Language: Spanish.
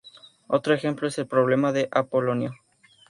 Otro ejemplo es el problema de Apolonio.